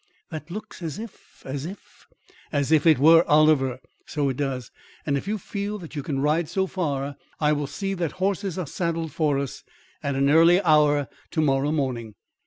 "That looks as if as if " "As if it were Oliver. So it does; and if you feel that you can ride so far, I will see that horses are saddled for us at an early hour to morrow morning."